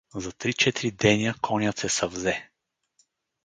За три-четири деня конят се съвзе.